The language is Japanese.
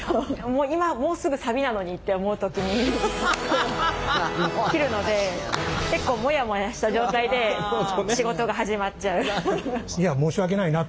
もう今もうすぐサビなのにって思う時に切るので結構もやもやした状態で仕事が始まっちゃう。